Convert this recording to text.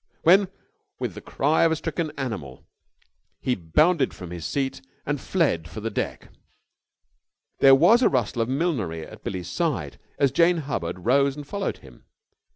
Then with the cry of a stricken animal, he bounded from his seat and fled for the deck. There was a rustle of millinery at Billie's side as Jane Hubbard rose and followed him.